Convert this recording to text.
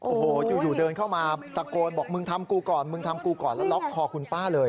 โอ้โหอยู่เดินเข้ามาตะโกนบอกมึงทำกูก่อนมึงทำกูก่อนแล้วล็อกคอคุณป้าเลย